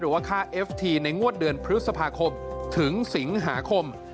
ค่าเอฟทีในงวดเดือนพฤษภาคมถึงสิงหาคม